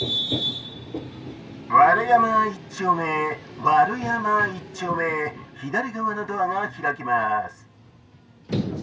「ワル山一丁目ワル山一丁目左側のドアが開きます」。